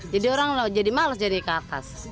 jadi orang jadi males jadi ke atas